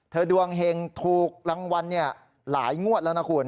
เธอดวงเหงถูกรางวัลเนี่ยหลายงวดแล้วนะคุณ